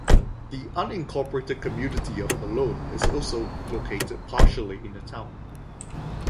The unincorporated community of Malone is also located partially in the town.